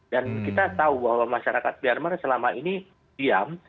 dan kita tahu bahwa masyarakat myanmar selama ini diam